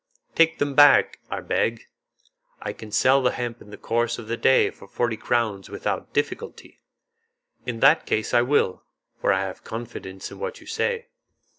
"Take them back, I beg. I can sell the hemp in the course of the day for forty crowns without difficulty." "In that case I will, for I have confidence in what you say."